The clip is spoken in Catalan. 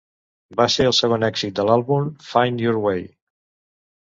Va ser el segon èxit de l'àlbum "Find Your Way".